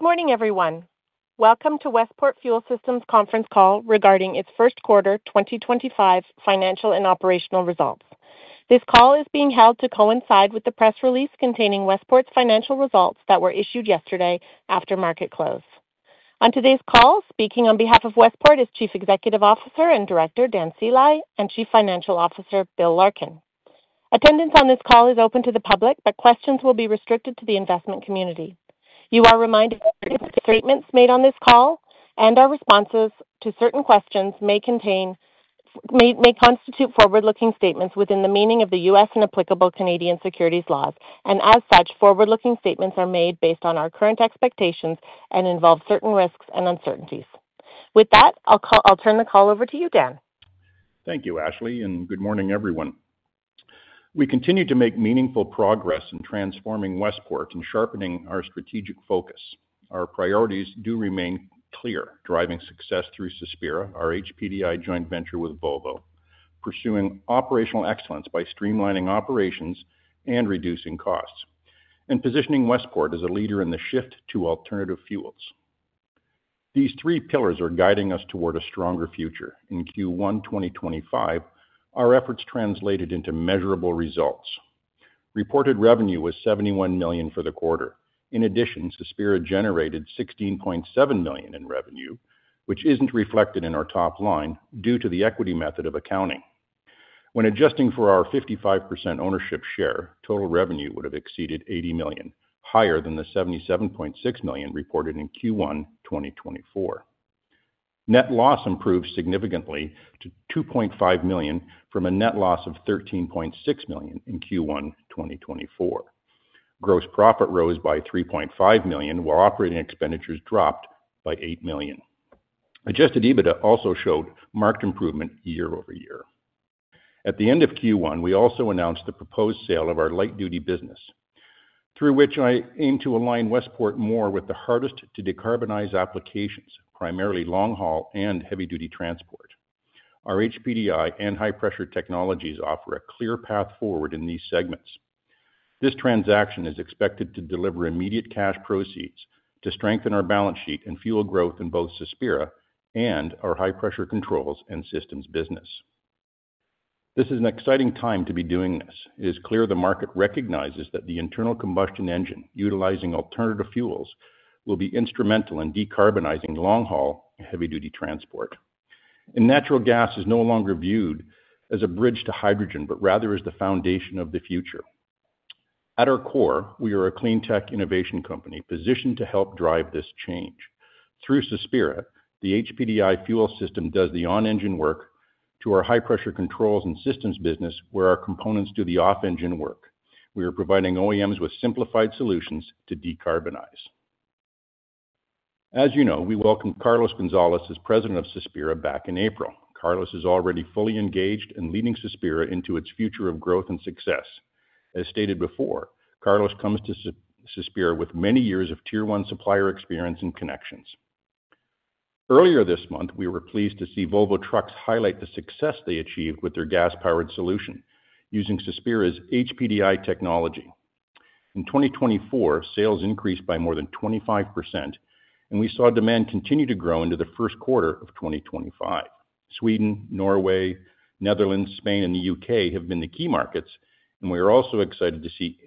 Good morning, everyone. Welcome to Westport Fuel Systems' conference call regarding its first quarter 2025 financial and operational results. This call is being held to coincide with the press release containing Westport's financial results that were issued yesterday after market close. On today's call, speaking on behalf of Westport is Chief Executive Officer and Director Dan Sceli and Chief Financial Officer Bill Larkin. Attendance on this call is open to the public, but questions will be restricted to the investment community. You are reminded that statements made on this call and our responses to certain questions may constitute forward-looking statements within the meaning of the U.S. and applicable Canadian securities laws. As such, forward-looking statements are made based on our current expectations and involve certain risks and uncertainties. With that, I'll turn the call over to you, Dan. Thank you, Ashley, and good morning, everyone. We continue to make meaningful progress in transforming Westport and sharpening our strategic focus. Our priorities do remain clear: driving success through Sospira, our HPDI joint venture with Volvo; pursuing operational excellence by streamlining operations and reducing costs; and positioning Westport as a leader in the shift to alternative fuels. These three pillars are guiding us toward a stronger future. In Q1 2025, our efforts translated into measurable results. Reported revenue was $71 million for the quarter. In addition, Sospira generated $16.7 million in revenue, which is not reflected in our top line due to the equity method of accounting. When adjusting for our 55% ownership share, total revenue would have exceeded $80 million, higher than the $77.6 million reported in Q1 2024. Net loss improved significantly to $2.5 million from a net loss of $13.6 million in Q1 2024. Gross profit rose by $3.5 million, while operating expenditures dropped by $8 million. Adjusted EBITDA also showed marked improvement year over year. At the end of Q1, we also announced the proposed sale of our light-duty business, through which I aim to align Westport more with the hardest-to-decarbonize applications, primarily long-haul and heavy-duty transport. Our HPDI and high-pressure technologies offer a clear path forward in these segments. This transaction is expected to deliver immediate cash proceeds to strengthen our balance sheet and fuel growth in both Sospira and our high-pressure controls and systems business. This is an exciting time to be doing this. It is clear the market recognizes that the internal combustion engine utilizing alternative fuels will be instrumental in decarbonizing long-haul and heavy-duty transport. Natural gas is no longer viewed as a bridge to hydrogen, but rather as the foundation of the future. At our core, we are a clean tech innovation company positioned to help drive this change. Through Sospira, the HPDI fuel system does the on-engine work to our high-pressure controls and systems business, where our components do the off-engine work. We are providing OEMs with simplified solutions to decarbonize. As you know, we welcomed Carlos Gonzalez as President of Sospira back in April. Carlos is already fully engaged and leading Sospira into its future of growth and success. As stated before, Carlos comes to Sospira with many years of tier-one supplier experience and connections. Earlier this month, we were pleased to see Volvo Trucks highlight the success they achieved with their gas-powered solution using Sospira's HPDI technology. In 2024, sales increased by more than 25%, and we saw demand continue to grow into the first quarter of 2025. Sweden, Norway, Netherlands, Spain, and the U.K. have been the key markets, and we are also excited to see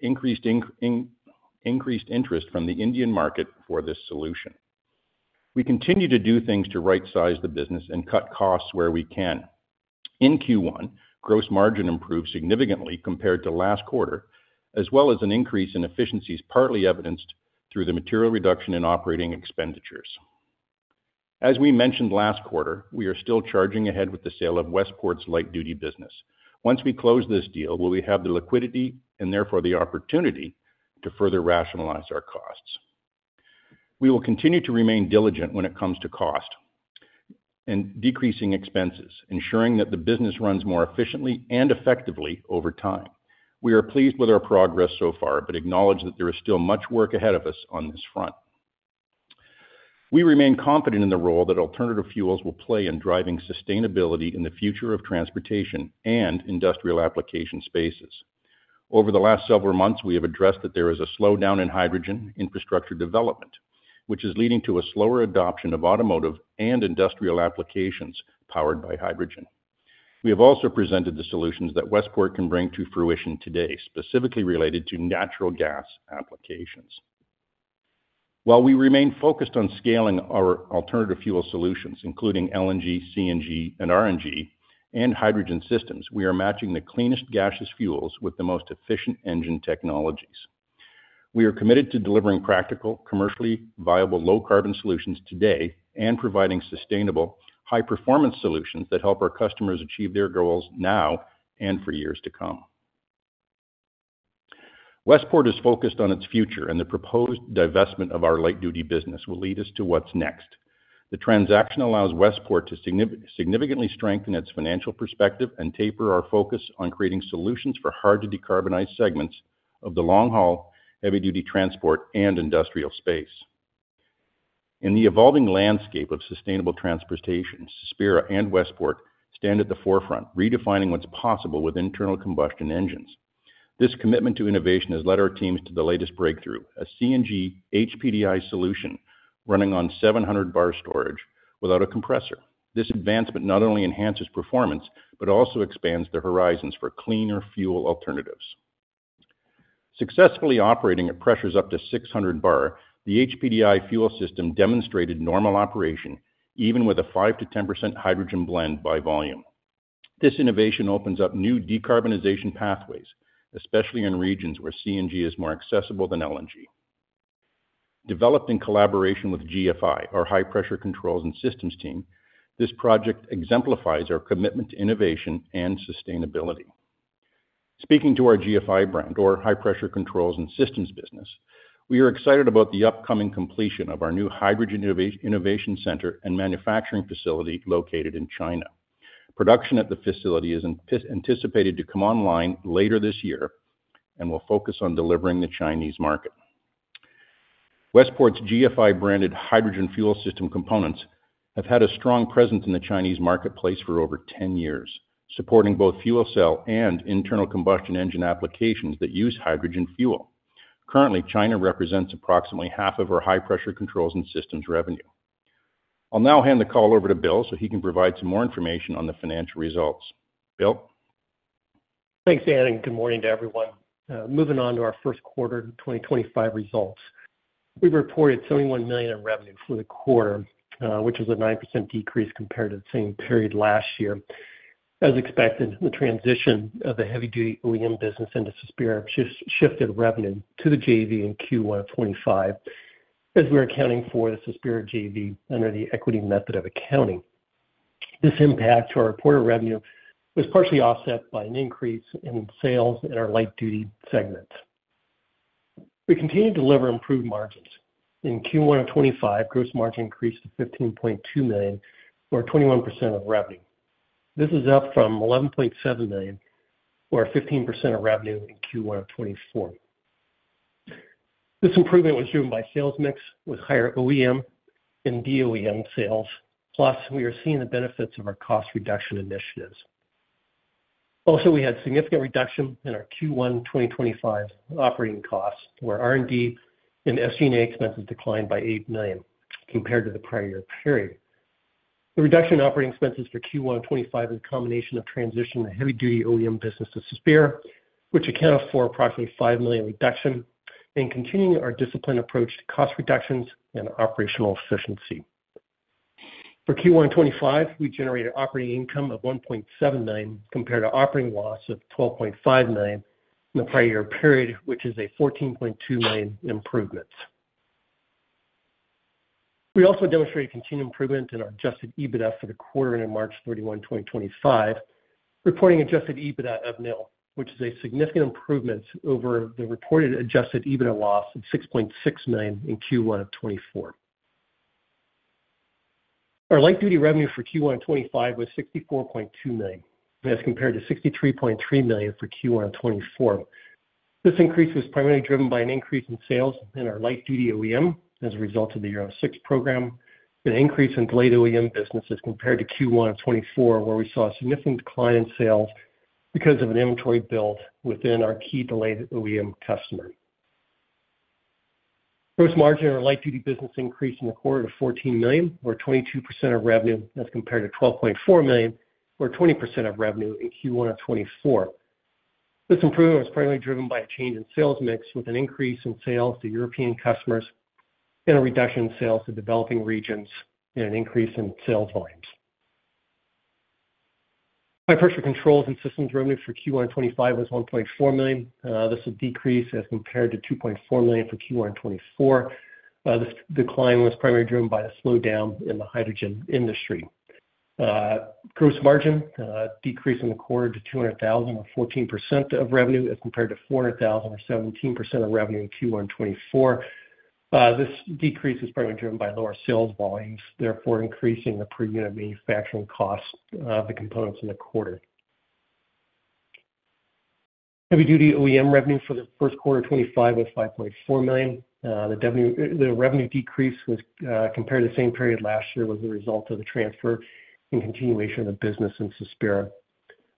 increased interest from the Indian market for this solution. We continue to do things to right-size the business and cut costs where we can. In Q1, gross margin improved significantly compared to last quarter, as well as an increase in efficiencies partly evidenced through the material reduction in operating expenditures. As we mentioned last quarter, we are still charging ahead with the sale of Westport's light-duty business. Once we close this deal, we will have the liquidity and therefore the opportunity to further rationalize our costs. We will continue to remain diligent when it comes to cost and decreasing expenses, ensuring that the business runs more efficiently and effectively over time. We are pleased with our progress so far, but acknowledge that there is still much work ahead of us on this front. We remain confident in the role that alternative fuels will play in driving sustainability in the future of transportation and industrial application spaces. Over the last several months, we have addressed that there is a slowdown in hydrogen infrastructure development, which is leading to a slower adoption of automotive and industrial applications powered by hydrogen. We have also presented the solutions that Westport can bring to fruition today, specifically related to natural gas applications. While we remain focused on scaling our alternative fuel solutions, including LNG, CNG, and RNG, and hydrogen systems, we are matching the cleanest gaseous fuels with the most efficient engine technologies. We are committed to delivering practical, commercially viable low-carbon solutions today and providing sustainable, high-performance solutions that help our customers achieve their goals now and for years to come. Westport is focused on its future, and the proposed divestment of our light-duty business will lead us to what's next. The transaction allows Westport to significantly strengthen its financial perspective and taper our focus on creating solutions for hard-to-decarbonize segments of the long-haul, heavy-duty transport, and industrial space. In the evolving landscape of sustainable transportation, Sospira and Westport stand at the forefront, redefining what's possible with internal combustion engines. This commitment to innovation has led our teams to the latest breakthrough: a CNG HPDI solution running on 700 bar storage without a compressor. This advancement not only enhances performance but also expands the horizons for cleaner fuel alternatives. Successfully operating at pressures up to 600 bar, the HPDI fuel system demonstrated normal operation even with a 5%-10% hydrogen blend by volume. This innovation opens up new decarbonization pathways, especially in regions where CNG is more accessible than LNG. Developed in collaboration with GFI, our high-pressure controls and systems team, this project exemplifies our commitment to innovation and sustainability. Speaking to our GFI brand, our high-pressure controls and systems business, we are excited about the upcoming completion of our new hydrogen innovation center and manufacturing facility located in China. Production at the facility is anticipated to come online later this year and will focus on delivering the Chinese market. Westport's GFI-branded hydrogen fuel system components have had a strong presence in the Chinese marketplace for over 10 years, supporting both fuel cell and internal combustion engine applications that use hydrogen fuel. Currently, China represents approximately half of our high-pressure controls and systems revenue. I'll now hand the call over to Bill so he can provide some more information on the financial results. Bill? Thanks, Dan, and good morning to everyone. Moving on to our first quarter 2025 results, we reported $71 million in revenue for the quarter, which was a 9% decrease compared to the same period last year. As expected, the transition of the heavy-duty OEM business into Sospira shifted revenue to the JV in Q1 of 2025 as we were accounting for the Sospira JV under the equity method of accounting. This impact to our quarter revenue was partially offset by an increase in sales in our light-duty segments. We continue to deliver improved margins. In Q1 of 2025, gross margin increased to $15.2 million, or 21% of revenue. This is up from $11.7 million, or 15% of revenue in Q1 of 2024. This improvement was driven by sales mix with higher OEM and DOEM sales, + we are seeing the benefits of our cost reduction initiatives. Also, we had significant reduction in our Q1 2025 operating costs, where R&D and SG&A expenses declined by $8 million compared to the prior year. The reduction in operating expenses for Q1 of 2025 is a combination of transitioning the heavy-duty OEM business to Sospira, which accounted for approximately $5 million reduction, and continuing our disciplined approach to cost reductions and operational efficiency. For Q1 of 2025, we generated operating income of $1.7 million compared to operating loss of $12.5 million in the prior year period, which is a $14.2 million improvement. We also demonstrated continued improvement in our adjusted EBITDA for the quarter ended March 31, 2025, reporting adjusted EBITDA of $1,000,000, which is a significant improvement over the reported adjusted EBITDA loss of $6.6 million in Q1 of 2024. Our light-duty revenue for Q1 of 2025 was $64.2 million as compared to $63.3 million for Q1 of 2024. This increase was primarily driven by an increase in sales in our light-duty OEM as a result of the Euro 6 program and an increase in delayed OEM business as compared to Q1 of 2024, where we saw a significant decline in sales because of an inventory build within our key delayed OEM customer. Gross margin in our light-duty business increased in the quarter to $14 million, or 22% of revenue as compared to $12.4 million, or 20% of revenue in Q1 of 2024. This improvement was primarily driven by a change in sales mix with an increase in sales to European customers and a reduction in sales to developing regions and an increase in sales volumes. High-pressure controls and systems revenue for Q1 of 2025 was $1.4 million. This decreased as compared to $2.4 million for Q1 of 2024. This decline was primarily driven by the slowdown in the hydrogen industry. Gross margin decreased in the quarter to $200,000, or 14% of revenue as compared to $400,000, or 17% of revenue in Q1 of 2024. This decrease was primarily driven by lower sales volumes, therefore increasing the per-unit manufacturing cost of the components in the quarter. Heavy-duty OEM revenue for the first quarter of 2025 was $5.4 million. The revenue decrease compared to the same period last year was a result of the transfer and continuation of the business in Sospira.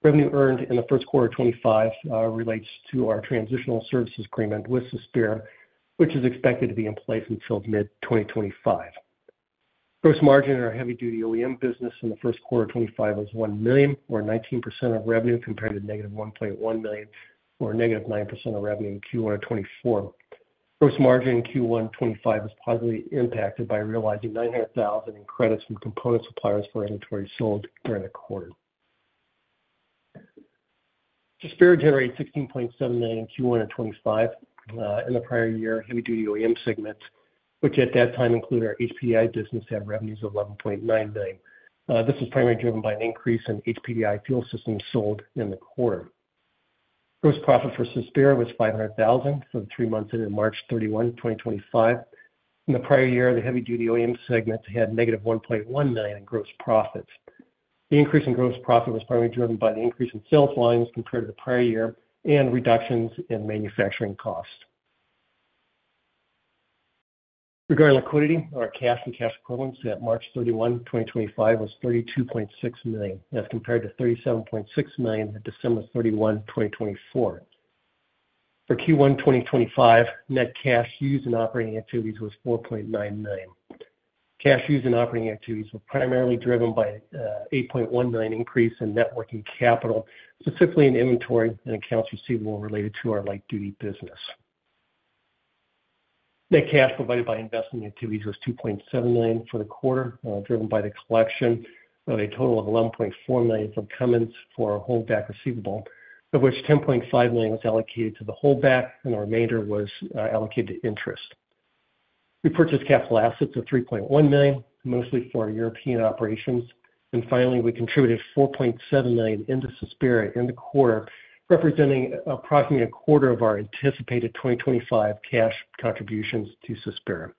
Revenue earned in the first quarter of 2025 relates to our transitional services agreement with Sospira, which is expected to be in place until mid-2025. Gross margin in our heavy-duty OEM business in the first quarter of 2025 was $1 million, or 19% of revenue compared to negative $1.1 million, or negative 9% of revenue in Q1 of 2024. Gross margin in Q1 of 2025 was positively impacted by realizing $900,000 in credits from component suppliers for inventory sold during the quarter. Sospira generated $16.7 million in Q1 of 2025. In the prior year, heavy-duty OEM segment, which at that time included our HPDI business, had revenues of $11.9 million. This was primarily driven by an increase in HPDI fuel systems sold in the quarter. Gross profit for Sospira was $500,000 for the three months ended March 31, 2025. In the prior year, the heavy-duty OEM segment had negative $1.1 million in gross profits. The increase in gross profit was primarily driven by the increase in sales volumes compared to the prior year and reductions in manufacturing costs. Regarding liquidity, our cash and cash equivalents at March 31, 2025, was $32.6 million as compared to $37.6 million at December 31, 2024. For Q1 2025, net cash used in operating activities was $4.9 million. Cash used in operating activities was primarily driven by an $8.1 million increase in networking capital, specifically in inventory and accounts receivable related to our light-duty business. Net cash provided by investment activities was $2.7 million for the quarter, driven by the collection of a total of $11.4 million from Cummins for a holdback receivable, of which $10.5 million was allocated to the holdback and the remainder was allocated to interest. We purchased capital assets of $3.1 million, mostly for European operations. Finally, we contributed $4.7 million into Sospira in the quarter, representing approximately a quarter of our anticipated 2025 cash contributions to Sospira.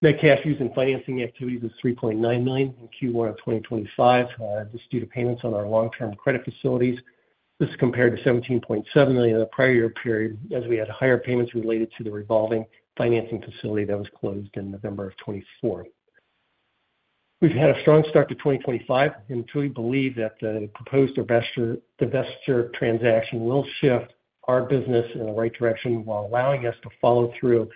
Net cash used in financing activities was $3.9 million in Q1 of 2025. This is due to payments on our long-term credit facilities. This is compared to $17.7 million in the prior year period as we had higher payments related to the revolving financing facility that was closed in November of 2024. We have had a strong start to 2025 and truly believe that the proposed divestiture transaction will shift our business in the right direction while allowing us to follow through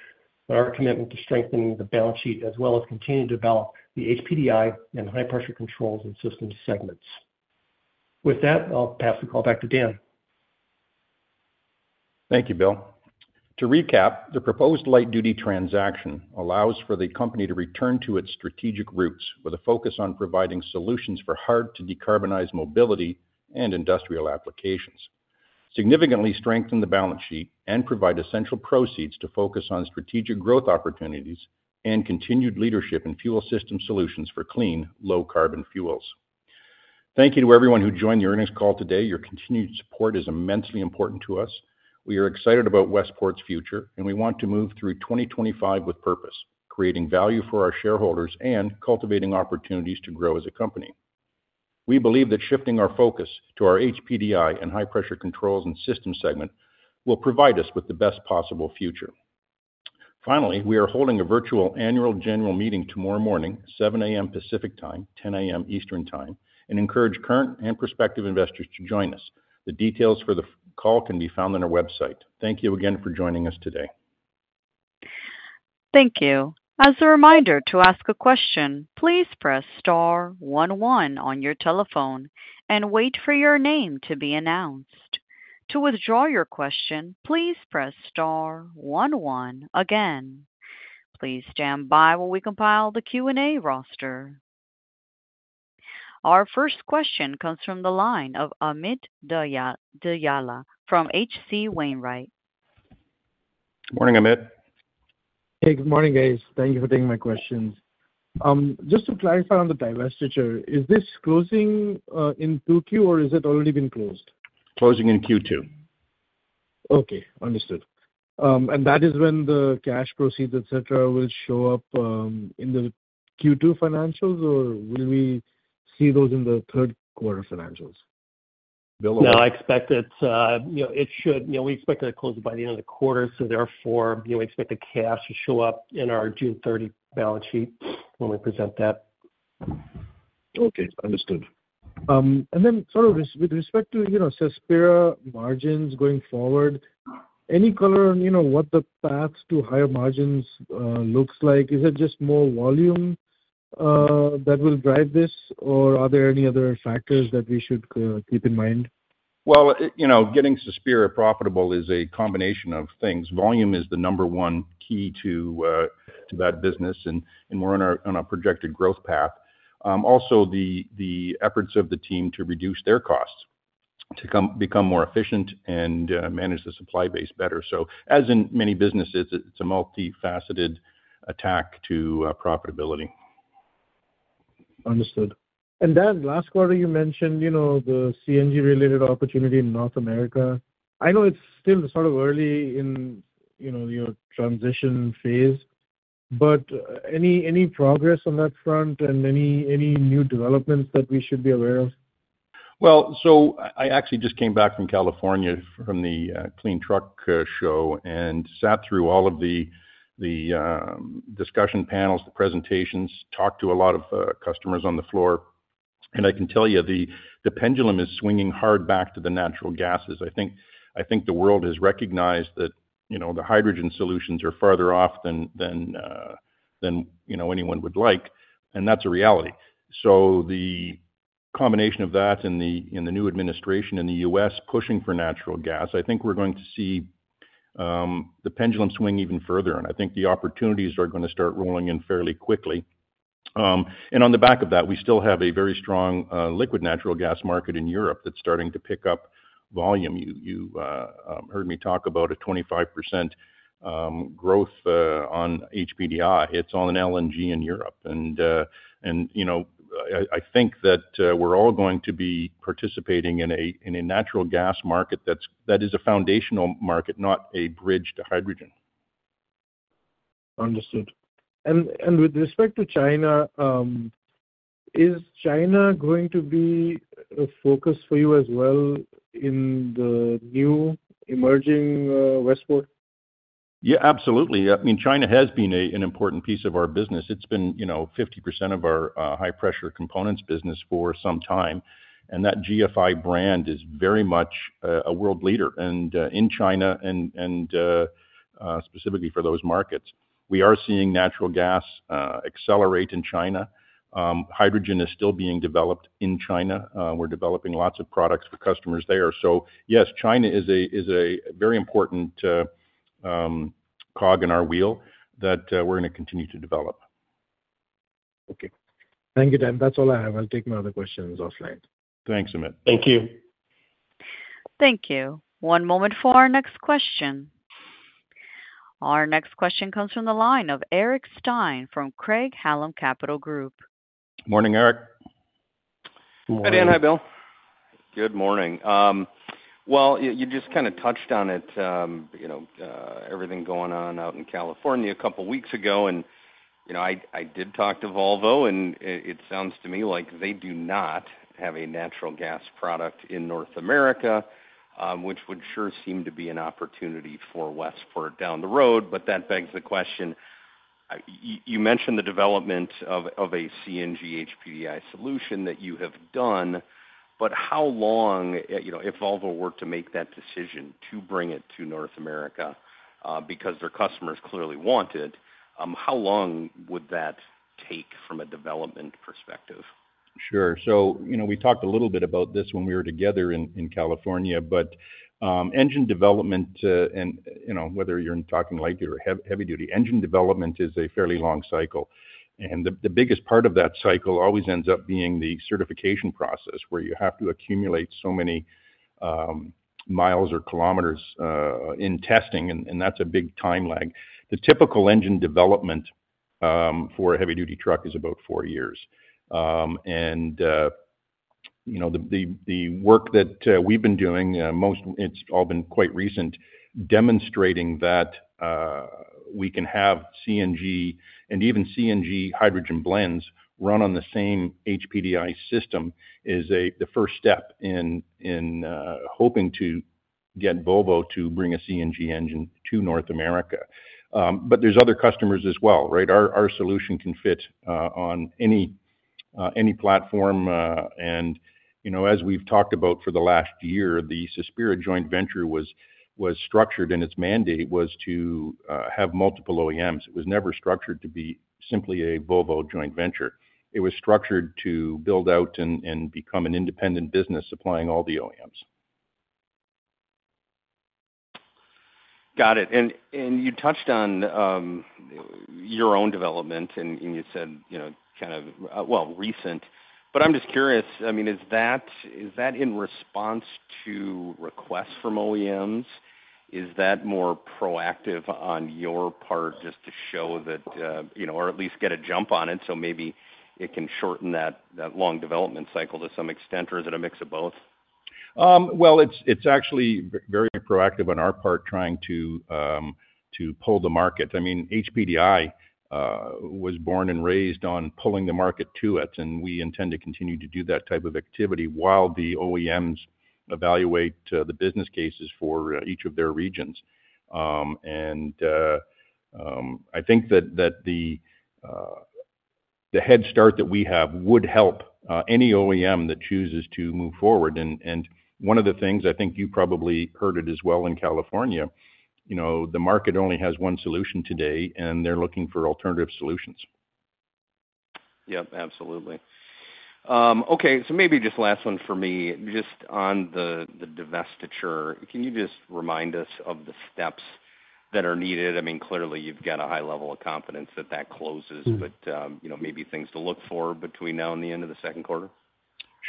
on our commitment to strengthening the balance sheet as well as continue to develop the HPDI and high-pressure controls and systems segments. With that, I'll pass the call back to Dan. Thank you, Bill. To recap, the proposed light-duty transaction allows for the company to return to its strategic roots with a focus on providing solutions for hard-to-decarbonize mobility and industrial applications, significantly strengthen the balance sheet, and provide essential proceeds to focus on strategic growth opportunities and continued leadership in fuel system solutions for clean, low-carbon fuels. Thank you to everyone who joined the earnings call today. Your continued support is immensely important to us. We are excited about Westport's future, and we want to move through 2025 with purpose, creating value for our shareholders and cultivating opportunities to grow as a company. We believe that shifting our focus to our HPDI and high-pressure controls and systems segment will provide us with the best possible future. Finally, we are holding a virtual annual general meeting tomorrow morning, 7:00 A.M. Pacific time, 10:00 A.M. Eastern time, and encourage current and prospective investors to join us. The details for the call can be found on our website. Thank you again for joining us today. Thank you. As a reminder to ask a question, please press star 11 on your telephone and wait for your name to be announced. To withdraw your question, please press star 11 again. Please stand by while we compile the Q&A roster. Our first question comes from the line of Amit Dhyala from HC Wainwright. Good morning, Amit. Hey, good morning, guys. Thank you for taking my questions. Just to clarify on the divestiture, is this closing in Q2 or has it already been closed? Closing in Q2. Okay, understood. That is when the cash proceeds, et cetera, will show up in the Q2 financials, or will we see those in the third quarter financials? Bill, over. No, I expect it should, we expect it to close by the end of the quarter. Therefore, we expect the cash to show up in our June 30 balance sheet when we present that. Okay, understood. With respect to Sospira margins going forward, any color on what the path to higher margins looks like? Is it just more volume that will drive this, or are there any other factors that we should keep in mind? Getting Sospira profitable is a combination of things. Volume is the number one key to that business, and we're on a projected growth path. Also, the efforts of the team to reduce their costs, to become more efficient and manage the supply base better. As in many businesses, it's a multifaceted attack to profitability. Understood. Dan, last quarter, you mentioned the CNG-related opportunity in North America. I know it's still sort of early in your transition phase, but any progress on that front and any new developments that we should be aware of? I actually just came back from California from the Clean Truck Show and sat through all of the discussion panels, the presentations, talked to a lot of customers on the floor. I can tell you the pendulum is swinging hard back to the natural gases. I think the world has recognized that the hydrogen solutions are farther off than anyone would like, and that's a reality. The combination of that and the new administration in the U.S. pushing for natural gas, I think we're going to see the pendulum swing even further. I think the opportunities are going to start rolling in fairly quickly. On the back of that, we still have a very strong liquid natural gas market in Europe that's starting to pick up volume. You heard me talk about a 25% growth on HPDI. It's on LNG in Europe. I think that we're all going to be participating in a natural gas market that is a foundational market, not a bridge to hydrogen. Understood. With respect to China, is China going to be a focus for you as well in the new emerging Westport? Yeah, absolutely. I mean, China has been an important piece of our business. It's been 50% of our high-pressure components business for some time. That GFI brand is very much a world leader. In China, and specifically for those markets, we are seeing natural gas accelerate in China. Hydrogen is still being developed in China. We're developing lots of products for customers there. Yes, China is a very important cog in our wheel that we're going to continue to develop. Okay. Thank you, Dan. That's all I have. I'll take my other questions offline. Thanks, Amit. Thank you. Thank you. One moment for our next question. Our next question comes from the line of Eric Stein from Craig-Hallum Capital Group. Morning, Eric. Morning. Hey, Dan. Hi, Bill. Good morning. You just kind of touched on it, everything going on out in California a couple of weeks ago. I did talk to Volvo, and it sounds to me like they do not have a natural gas product in North America, which would sure seem to be an opportunity for Westport down the road. That begs the question, you mentioned the development of a CNG HPDI solution that you have done, but how long, if Volvo were to make that decision to bring it to North America because their customers clearly want it, how long would that take from a development perspective? Sure. We talked a little bit about this when we were together in California, but engine development, and whether you're talking light-duty or heavy-duty, engine development is a fairly long cycle. The biggest part of that cycle always ends up being the certification process where you have to accumulate so many miles or kilometers in testing, and that's a big time lag. The typical engine development for a heavy-duty truck is about four years. The work that we've been doing, it's all been quite recent, demonstrating that we can have CNG and even CNG hydrogen blends run on the same HPDI system is the first step in hoping to get Volvo to bring a CNG engine to North America. There are other customers as well, right? Our solution can fit on any platform. As we've talked about for the last year, the Sospira joint venture was structured, and its mandate was to have multiple OEMs. It was never structured to be simply a Volvo joint venture. It was structured to build out and become an independent business supplying all the OEMs. Got it. You touched on your own development, and you said kind of, well, recent. I'm just curious, I mean, is that in response to requests from OEMs? Is that more proactive on your part just to show that, or at least get a jump on it so maybe it can shorten that long development cycle to some extent, or is it a mix of both? It is actually very proactive on our part trying to pull the market. I mean, HPDI was born and raised on pulling the market to it, and we intend to continue to do that type of activity while the OEMs evaluate the business cases for each of their regions. I think that the head start that we have would help any OEM that chooses to move forward. One of the things, I think you probably heard it as well in California, the market only has one solution today, and they are looking for alternative solutions. Yep, absolutely. Okay, so maybe just last one for me, just on the divestiture. Can you just remind us of the steps that are needed? I mean, clearly, you've got a high level of confidence that that closes, but maybe things to look for between now and the end of the second quarter?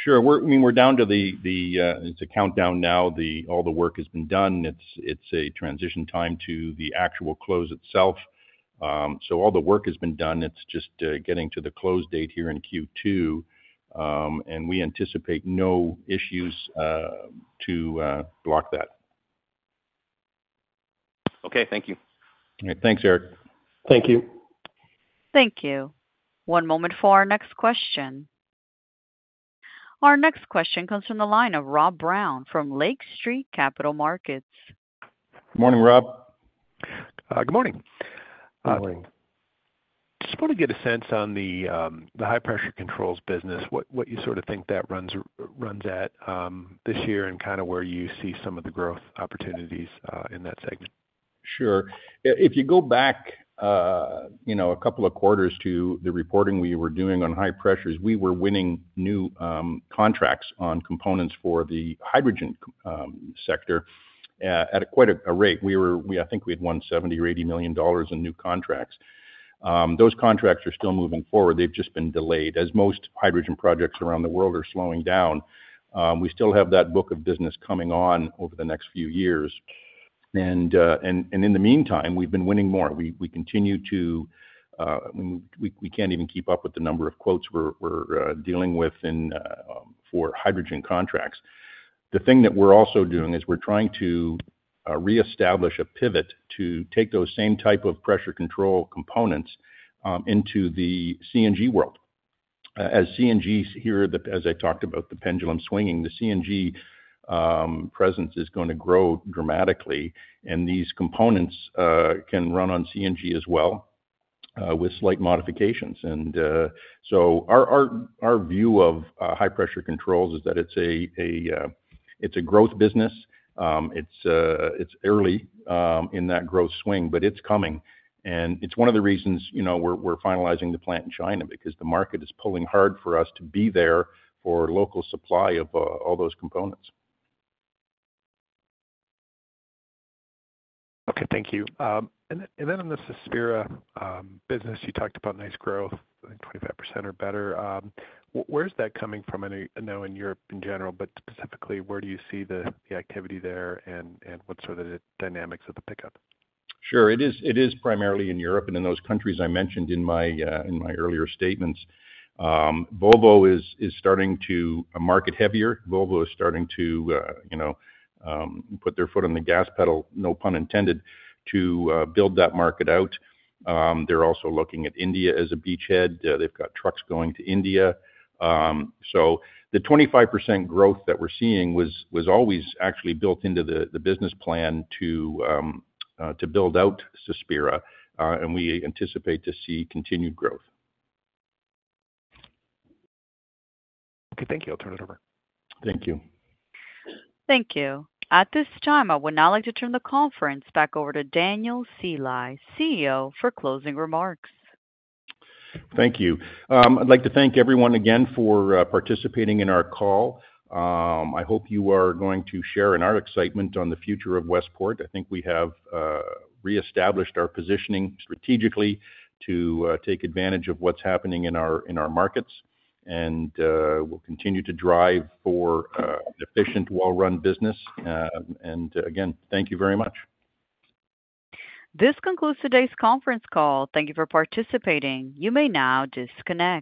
Sure. I mean, we're down to the, it's a countdown now. All the work has been done. It's a transition time to the actual close itself. So all the work has been done. It's just getting to the close date here in Q2, and we anticipate no issues to block that. Okay, thank you. All right, thanks, Eric. Thank you. Thank you. One moment for our next question. Our next question comes from the line of Rob Brown from Lake Street Capital Markets. Good morning, Rob. Good morning. Good morning. Just want to get a sense on the high-pressure controls business, what you sort of think that runs at this year and kind of where you see some of the growth opportunities in that segment. Sure. If you go back a couple of quarters to the reporting we were doing on high pressures, we were winning new contracts on components for the hydrogen sector at quite a rate. I think we had won $70 million or $80 million in new contracts. Those contracts are still moving forward. They've just been delayed. As most hydrogen projects around the world are slowing down, we still have that book of business coming on over the next few years. In the meantime, we've been winning more. We continue to—we can't even keep up with the number of quotes we're dealing with for hydrogen contracts. The thing that we're also doing is we're trying to reestablish a pivot to take those same type of pressure control components into the CNG world. As CNG here, as I talked about the pendulum swinging, the CNG presence is going to grow dramatically. These components can run on CNG as well with slight modifications. Our view of high-pressure controls is that it's a growth business. It's early in that growth swing, but it's coming. It's one of the reasons we're finalizing the plant in China because the market is pulling hard for us to be there for local supply of all those components. Okay, thank you. Then on the Sospira business, you talked about nice growth, 25% or better. Where's that coming from now in Europe in general? Specifically, where do you see the activity there and what sort of dynamics of the pickup? Sure. It is primarily in Europe. In those countries I mentioned in my earlier statements, Volvo is starting to market heavier. Volvo is starting to put their foot on the gas pedal, no pun intended, to build that market out. They are also looking at India as a beachhead. They have got trucks going to India. The 25% growth that we are seeing was always actually built into the business plan to build out Sospira. We anticipate to see continued growth. Okay, thank you. I'll turn it over. Thank you. Thank you. At this time, I would now like to turn the conference back over to Dan Sceli, CEO, for closing remarks. Thank you. I'd like to thank everyone again for participating in our call. I hope you are going to share in our excitement on the future of Westport. I think we have reestablished our positioning strategically to take advantage of what's happening in our markets. We will continue to drive for an efficient well-run business. Again, thank you very much. This concludes today's conference call. Thank you for participating. You may now disconnect.